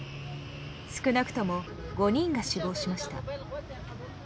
少なくとも５人が死亡しました。